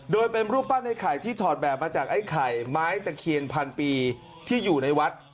โดยเป็นรูปปั้นไอ้ไข่ที่ถอดแบบมาจากไอ้ไข่ไม้ตะเคียนพันปีที่อยู่ในวัด